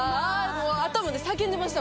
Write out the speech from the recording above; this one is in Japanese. もう頭で叫んでました